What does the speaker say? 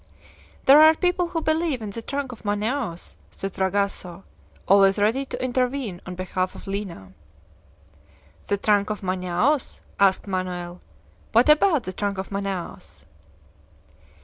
"There are people who believe in the trunk of Manaos," said Fragoso, always ready to intervene on behalf of Lina. "The 'trunk of Manaos'?" asked Manoel. "What about the trunk of Manaos?"